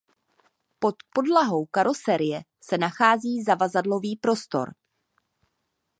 Pod podlahou karoserie se nachází zavazadlový prostor.